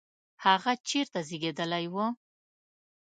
هغه چیرته زیږېدلی و؟